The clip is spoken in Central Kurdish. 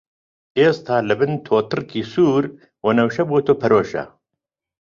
ئێستا لە بن «توتڕکی» سوور، وەنەوشە بۆ تۆ پەرۆشە!